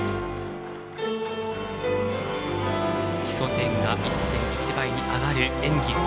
基礎点が１．１倍に上がる演技